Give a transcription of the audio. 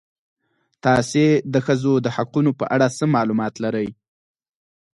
تاسې د ښځو د حقونو په اړه څه معلومات لرئ؟